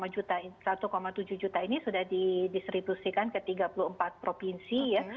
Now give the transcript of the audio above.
jadi satu tujuh juta ini sudah didistribusikan ke tiga puluh empat provinsi ya